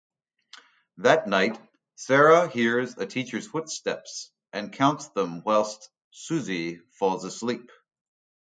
That night, Sara hears a teacher's footsteps and counts them whilst Suzy falls asleep.